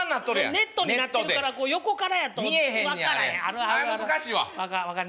ネットになっとるから横からやと分からへんな